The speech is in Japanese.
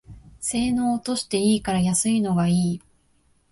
性能落としていいから安いのがいい